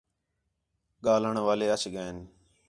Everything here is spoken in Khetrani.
گھلݨ والے اَچ ڳئین